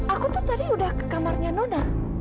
aku tuh tadi udah ke kamarnya nona